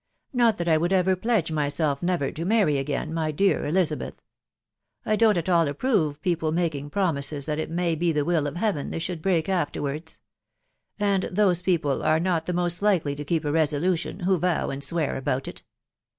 •.. Not that I would ever pledge myself never to marry again, my dear Elizabeth. I don't at all approve people making promises that it may lx the wiM of Heaven they should break afterwards; and those people are not the most likely to keep a resolution, who vow and swear about it.